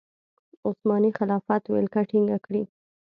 عثماني خلافت ولکه ټینګه کړي.